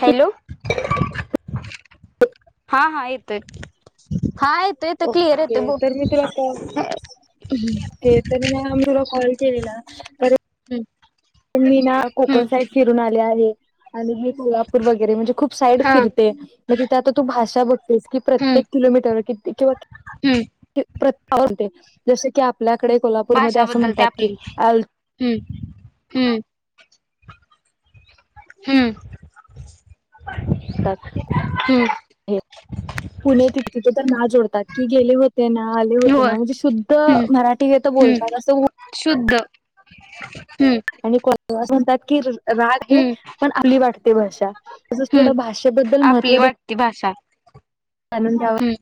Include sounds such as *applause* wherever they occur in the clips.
Hello हा हा येतो हायेत येतो क्लियर येत ओके ब तर मी तुला कॉल ते तर म मी तुला कॉल केलेला पर हम्म प मी ना हम्म कोकण साईड फिरून आले आहे आणि मी सल्हापूर वगैरे म्हणजे खूप साईड हा फिरते मग तिथे आता तू भाषा बघतेस कि हम्म प्रत्येक किलोमीटर किती हम्म किंवा प्र होते जस की आपल्याकडे कोल्हापूरमध्येध्ये भाषा असं बदलते म्हणतात की आपली अ हम्म हम्म हम्म तर हम पुणे तिथ तिथे तर ना जोडतात की गेले हो ते ना आले होते ना होय म्हणजे शुद्ध हम्म मराठी घ तर हम्म बोलतात असं *unintelligible* आणि को म्हणतात कि राग हे हम्म पण अली वाटते भाषा तसच हम्म थोडं भाषेबद्दल आपली महत्त्व वाटती भाषा जाणून घ्यावा हम्म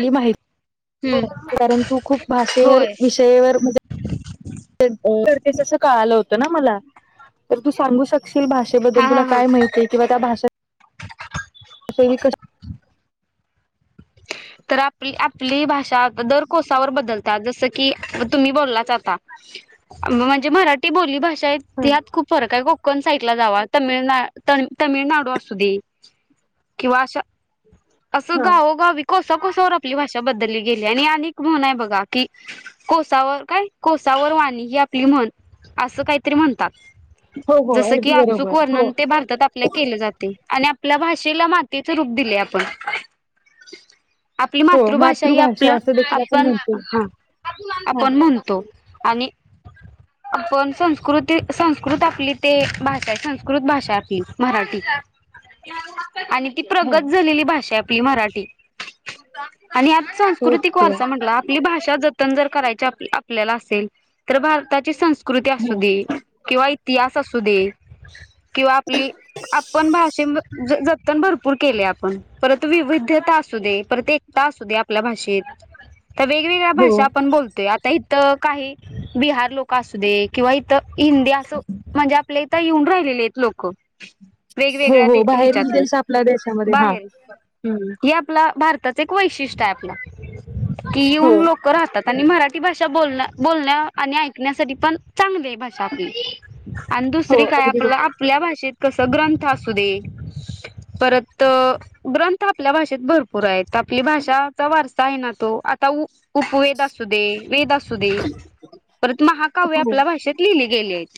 ली माहिती हम्म कारण तू खूप भाषेवर होय विषयवर म्ह तेच कळाल होतं ना मला तर तू सांगू शकशील हा भाषेबद्दल हा तुला हा काय माहिती आहे किंवा त्या भाषा *unintelligible* *inaudible* तर आपली आपली भाषा दर कोसावर बदलत्या जसं की तुम्ही बोललाच आता म्हणजे मराठी बोली भाषा *unintelligible* ह ह्यात खूप फरक आहे कोकण साईडला जावा तमिळना त तमिळनाडू असू दे किंवा अश असं हा गाव वी कोसा कोसावर आपली भाषा बदलली गेली आणि एक म्हण हाय बघा की कोसावर काय कोसावर वाणी ही आपली म्हण असं काहीतरी म्हणतात हो हो जस की अगदी अचूक बरोबर हो वर्णन ते भारतात आपल्या केलं जाते आणि आपल्या भाषेला मातीचे रूप दिले आपण आपली हो मातृभाषा ही आपलं असं देखील आपण म्हणतो ह हा आपण म्हणतो आणि आपण संस्कृती संस्कृत आपली ते भाषा आहे संस्कृत भाषा आपली मराठी आणि ती हा प्रगत झालेली भाषा आहे आपली मराठी आणि आता सांस्कृतिक ओके वारसा म्हंटला आपली भाषा जप जतन जर करायची आप- आपल्याला असेल तर भारताची सं कृती हा असू दे किंवा इतिहास असू दे किंवा आपली आपण भाषे- जतन भरपूर केले आपण परंत वि *unintelligible* असू दे परत एकता असू दे आपल्या भाषेत तर वगवेगळ्या हो भाषा आपण बोलतोय आता हित *inaudible* काही बिहार लोक असू दे किंवा इथं हिंदी असं म्हणजे आपल्या इथं येऊन राहिल हेत लोकं हो वेगवेगळ्या हो बाहेरील दे-हेच्यातल देश आपल्या देशामध्ये हा बाहेर हम्म हे आपलं भारताचं एक वैशिष्ट्य आहे आपलं कि हो येऊन लोक राहतात आणि मराठी भाषा बोलण्या बोलण्या आणि ऐकण्यासाठी पण चांगली आहे भाषा आपली आणि हो दुसरी काय अगदी आपलं बरोबर आपल्या भाषेत कसं ग्रंथ असू दे परत अ.. ग्रंथ आपल्या भाषेत भरपूर आहेत आपली भाषा चा वारसा आहे ना तो आता उ उपवेद असू दे वेद असू दे परंतु महाकाव्य हो आपल्या भाषेत लिहिले गेले आहेत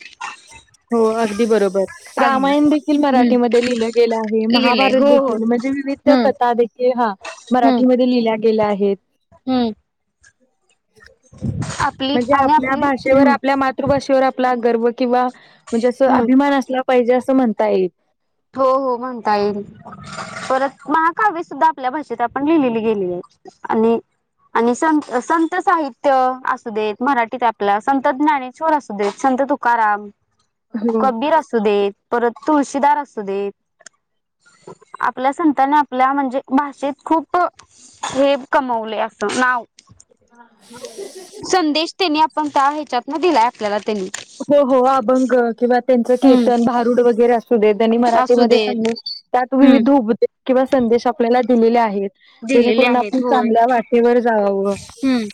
हो अगदी बरोबर हम्म रामायण देखील मराठीमध्ये लिहिलं गेलं आहे लिहिलंय महाभारत हो हो देखील म्हणजे जे विविध हम्म कथा देखील हा हम्म मराठीमध्ये लिहिल्या गेल्या आहेत हम्म आपली म्हणजे आणि आपल्या आपली भाषेवर हम्म आपल्या मातृभाषेवर आपला गर्व किंवा म्हणजे असं हम्म अभिमान असला पाहिजे असं म्हणता येईल हो हो म्हणता येईल. परत महाकाव्य सुद्धा आपल्या भाषेत आपण लिहिलेली गेली आहे आणि आणि संत अ संत. साहित्य असू देत मराठीत आपला संत ज्ञानेश्वर असू देत संत तुकाराम. हो. कबीर असू दे परत तुळशीदार असू. सू दे आपल्या संतान आपल्या म्हणजे भाषेत खूप हो हे कमवले असं नाव. *inaudible* पण त्या ह्याच्यातनं दिलाय आपल्यालाला त्यांनी. हो हो अभंग किंवा त्यांचं कीर्तन हम्म भारुड वगैरे अस असुदे त्यांनी असू मराठीमध्ये *inaudible* देत त्यात हम्म विविध उपदेश किंवा संदेश आपल्याला दिलेले आहेत. दिलेले जेणेकरून आपण आहेत होय चांगल्या वाटेवर जा. हम्म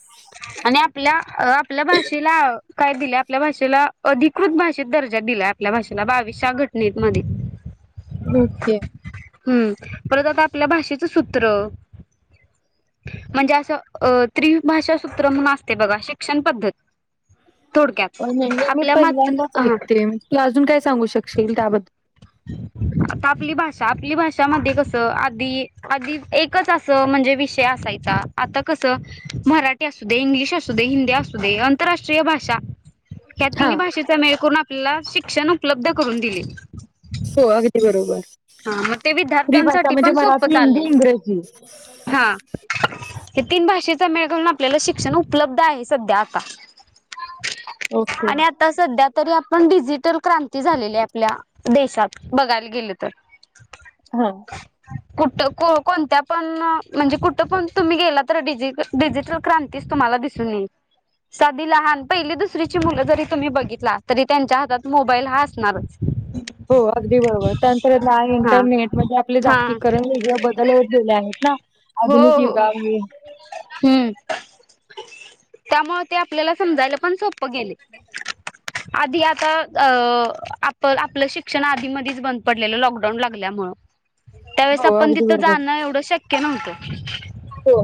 आणि आपल्या- आपल्या भाषेला काय दिलंय आपल्या भाषेला अधिकृत भाषेत दर्जा दिलाय आपल्या भाषेला बावीसच्या घटनेमध्ये ओके. हम्म परत आता आपल्या भाषेचं सूत्र.. *unintelligible* म्हणजे असं अ.. त्रिभाषा सूत्र म्हणून असतंय बघा शिक्षण पद्धत.. अ थोडक्यात नाही मी आपल्या मात पहिल्यांदाच हा ऐकते तू अजून काय. सांगू शकशील त्याबद्द आता आपली भाषा आपली भाषा मध्ये कसं आधी आधी एकच असं म्हणजे विषय असायचा. आता कसं मराठी असू दे इंग्लिश असू दे हिंदी असू दे आंतरराष्ट्रीय भाषा. ह्या हा तिन्ही भाषेचा मेळ करून आपल्याला शिक्षण उपलब्ध करून दिले. हो अगदी बरोबर. हा मग ते विविध भाषा विद्यार्थ्यांसाठी म्हणजे पण सोपं मराठी हिंदी चाललंय. इंग्रजी. हा. हे तीन भाषेचा मेळ करून आपल्याला शिक्षण उपलब्ध आहे सध्या आता. ओके आणि आता सध्या तरी आप, पण डिजिटल क्रांती झालेली आपल्या देशात बघायला गेले तर. हा. कुठ कोणत्या पण म्हणजे कुठं पण तुम्ही गेला तर डिजि डिजिटल क्रांतीच तुम्हाला. दिसून येईल. साध लहान पहिली दुसरीची मुलं जरी तुम्ही बघितला तरी त्यांच्या हातात मोबाईल हा असणारच. हो अगदी बरोबर त्यानंत नाही हा इंटरनेटमध्ये आपले हा जागतिककरण वेगळे बदल होत गेले आहेत ना हो आधुनिक हो युगामुळे. हम्म. त्यामुळे ते आपल्याला समजायला पण सोप्प गेले. आधी आता अ आप आपलं शिक्षण आधी मधच बंद. पडलेल लॉकडाऊन लागल्यामूळ त्यावेेळेस हो आपण अगदी तिथं बरोबर जाणं एवढं शक्य नव्हतं. हो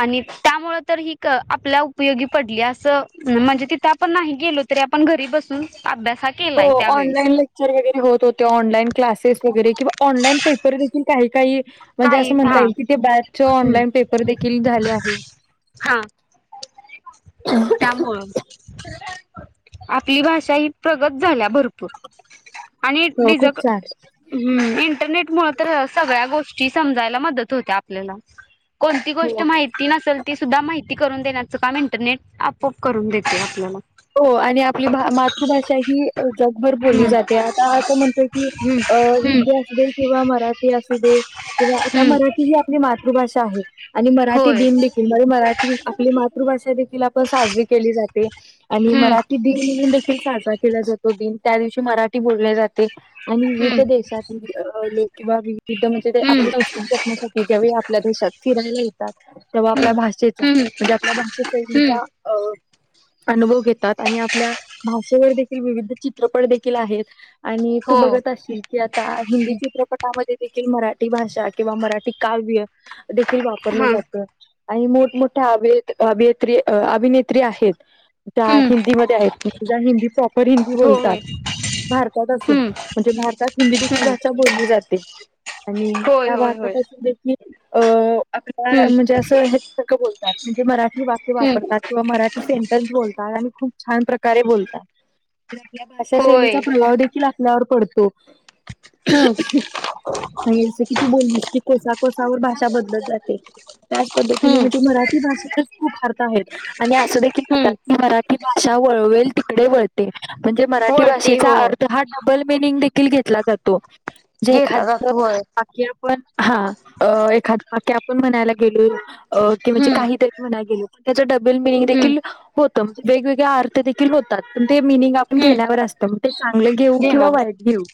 आणि. त्यामूळ तर ही आपला उपयोगी पडली असं म्हणजे तिथं आपण नाही गेलो तरी आपण घरी बसून. अभ्यास हा हो केलाय ऑनलाईन त्यावेेळेस लेक्चर वगैरे होत होते ऑनलाईन. क्लासेस वगैरे किंवा ऑनलाईन पेपर देखील काही काही म्हणजे काही असं हा म्हणता येईल की ते बॅच ऑनलाईन पेपर देखील झाले आहे. हा त्यामूळ. आपली भाषा ही प्रगत झाल्या भरपूर. आणि हो डीज खूप छान इंटरनेट मुळ तर सगळ्या गोष्टी. समजायला मदत होतिया आपल्याला कोणती गोष्ट हो माहिती नसेल ती सुद्धा माहिती. करून देण्याचं काम इंटरनेट आपोआप करून देते आपल्याला. हो. आणि आपली मातृभाषा ही जगभर बोलली हम्म जाते. आता असं म्हणतोय की हम्म अ हम्म असू दे किंवा मराठी असू दे किंवा आता हम्म मराठी ही आपली मातृभाषा आहे. आणि मराठी होय दिन देखील म्हणजे मराठी आपली मातृभाषा देखील आपण साजरी केली जाते. आणि हम्म मराठी दिन म्हणून देखील साजरा केला जातो. दिन त्या दिवशी मराठी बोलले जाते. आणि विविध हम्म देशातील लोक किंवा वी वीधता म्हणजे ते हम्म आपली संस्कृती जपण्यासाठी ज्यावेळी आपल्या देशात फिरायला येतात. तेव्हा आपल्या भाषेचा हम्म म्हणजे आपल्या भाषा हम्म शैलीच्या अ अनुभव घेतात आणि आपल्या भाषेवर देखील विविध चित्रपट देखील आहेत. आणि तू हो बघत असशील की आता हिंदी चित्रपटामध्ये देखील मराठी भाषा किंवा मराठी काव्य देखील वापरलं हा जात. आणि मोठमोठ्या अभिनेता अभिनेत्री अभिनेत्री आहेत. त्या हम्म हिंदीमध्ये आहेत ज्या हिंदी प्रॉप र हिंदी बोलतात होय भारतात असून हम्म म्हणजे भारतात हिंदी देखील हम्म भाषा बोलली जाते. आणि होय त्यावर होय आता होय कस देखील. अ हम्म आपल्या म्हणजे असं बोलतात म्हणजे मराठी वाक्य हम्म वापरतात किंवा मराठी सेंटेन्स बोलतात. आणि खूप छान प्रकारे बोलतात. आपल्या भाषा होय शैलीचा प्रभाव देखील आपल्यावर पडतो. हो हम्म आणि अस की तू बोललीस की कोसा कोसावर भाषा बदलत जाते त्याच पद्धतीने हम्म म्हणजे ते मराठी भाषेतच खूप अर्थ आहेत आणि असं देखील हम्म म्हणतात की मराठी भाषा वळवेल तिकडे वळते. म्हणजे मराठी वळते भाषेचा हो अर्थ हा डबल मिनिंग देखील घेतला जातो. जे घेता एखाद जातो होय बाकी आपण हा अ एखाद बाकी आपण म्हणायला गेले अ हम्म काहीतरीे म्हणायला गेले त्याच्या डबल मिअनिंग हम्म देखील होते. वेगवेगळ्या अर्थ देखील होतात. ते मीनिंग आपण हम्म घेण्यावर असतं मग ते चांगलं घेऊ किंवा वाईट घेऊ.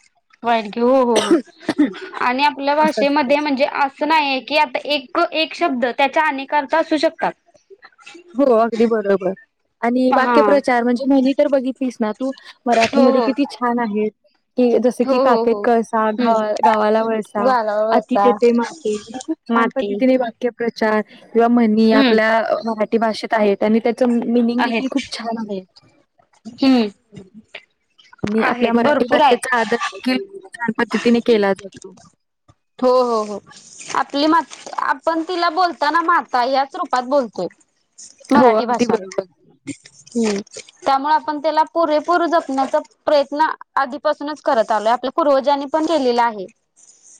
होय की हो हो हो आणि आपल्या असं असतं. भाषेमध्ये म्हणजे असं नाहीय की आता एक एक शब्द त्याच्या अनेक अर्थ असू शकतात. हो अगदी बरोबर आणि हा वाक्यप्रचार म्हणजे म्हणी तर बघितलीस ना, तू हो मराठीमध्ये हो किती छान आहे. कि जस की हो हो काकेत हो कळसा घा हम्म. गावाला वळसा गाला अति वसा तेथे माती छान माती पद्धतीने वाक्य प्रचार किंवा म्हणी हम्म आपल्या मराठी भाषेत आहेत. त्यांनी त्याच मिनिंग देखील आहेत खूप छान आहे. हम्म आणि आपल्या आहेत मराठी भरपूर भाषेचा आहेत. आदर देखील खूप छान पद्धतीने केला जातो. हो हो हो आपली म आपण तिला बोलताना माता ह्याच रूपात बोलतो. हो अगदी चालेल बरोबर हम्म त्यामुळे आपण त्याला पुरेपूर जपण्याचा प्रयत्न आधीपासूनच करत आलोय आपल्या पूर्व जानी पण केलेल आहे.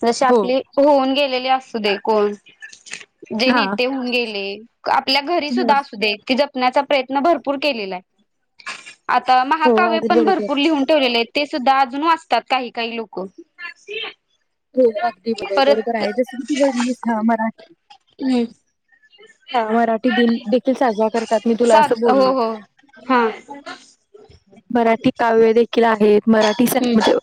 जसे हो आपले होऊन गेलेले असू दे कोण. जे हा नेते होऊन गेले. आपल्या घरी सुद्धा असू देत. ते जपण्याचा प्रयत्न भरपूर केलेला आहे. आता हो महाकाव्य अगदी पण बरोबर भरपूर लिहून ठेवलेले आहेत. ते सुद्धा अजून वाचतात काही काही लोक हो अगदी बरोबर बरोबर परत आहे. जस की तू भरलीस हा मराठी हम्म हा मराठी दिन देखील साजरा करतात मी तुला सा अस हो बोललो. हो हा मराठी काव्य देेखील आहेत मराठी संच हम्म म्हणजे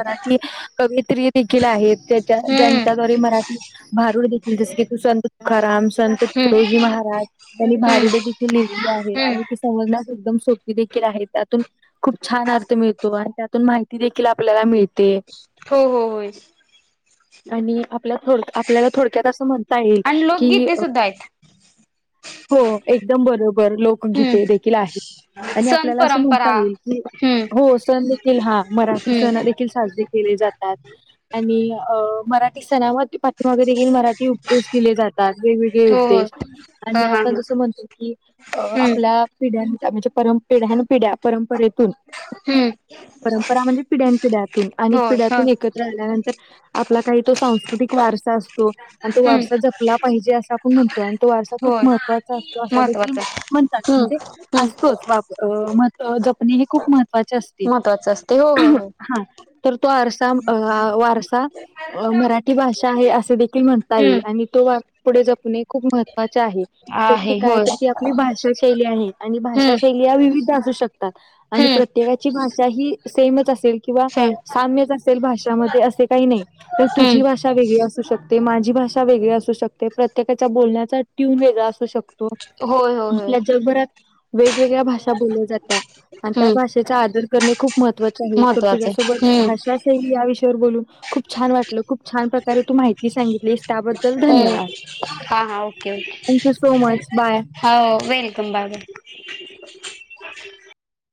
मराठी कवियीत्री देखील आहेत त्याच्या हम्म ज्याच्याद्वारे मराठी भारुड देखील जस की तू संत तुकाराम. संत हम्म तुकडोजी महाराज त्यांनी हम्म भारुडे देखील लिहिलेली आहेत. हम्म आणि ते समजन्यास एकदम सो सोपे देखील आहे. त्यातून खूप छान अर्थ मिळतो आणि त्यातून माहिती देखील आपल्याला मिळ ते. हो, हो, होय. आणि आपल्या थोड आपल्याला थोडक्यात असं म्हणता येईल आणि की लोकगीते सुद्धा आहेत हो एकदम बरोबर लोकगीते हम्म देखील आहेत. आणि सण आपल्याला असं परंपरा म्हणता येईल की हम्म हो सण देखील हा मराठी हम्म सण देखील साजरे केले जातात आणि अ मराठी सरावात पाठीमागे देखील मराठी उपदेश दिले जातात. वेगवेगळे हो हो उद्देश हा आणि हा आपण हा जसं म्हणतो की अ हम्म आपल्या पिढ्यांच्या म्हणजे पर पिढ्यान-पिढ्या परंपरेतून *unintelligible* परंपरा म्हणजे पिढ्यान पिढ्यातून अनेक होय होय पिढ्यातून एकत्र आल्यानंतर आपला काही तो सांस्कृतिक वार सा असतो आणि तो हम्म वारसा जपला पाहिजे असं आपण म्हणतो आणि तो वारसा खूप होय महत्त्वाचा असतो असा देखील महत्त्वाचं आहे. म्हणतात हम्म म्हणजे हम्म असतोच वापर अ महत जपने ही खूप महत्वाची असते. महत्त्वाचं असते हो *inaudible* हो हो. हा तर तो अता अ वारसा अ मराठी भाषा आहे असे देखील म्हणता येईल हम्म आणि तो वारसा पुढे जपाने खूप महत्वाचे आहे शेवटी आहे काय होय तर ती आपली भाषा शैली आहे. आणि भाषा हम्म शैली या विविध असू शकतात. आणि हम्म प्रत्येकाची भाषा ही सेमच असेल किंवा सं साम्यच असेल भाषामध्ये असं ते काही नाही तर हम्म तुझी भाषा वेगळी असू शक ते माझी भाषा वेगळी असू शकते. प्रत्येकाचा बोलण्याचा ट्यून वेगळा असू शकतो. होय होय होय आपल्या जगभरात वेगवेगळ्या भाषा बोलल्या जातात आणि त्या हम्म भाषेचा आदर महत्त्वाचं आहे तर महत्त्वाचं तुझ्यासोबत आहे हम्म भाषा शैली या विषयावर बोलून खूप छान वाटलं खूप छान प्रकारे तु माहिती सांगितलीस त्याबद्दल हम्म हा धन्यवाद. Okay, thank you so okay much. Bye. हो वेलकम बाय-बाय. *inaudible*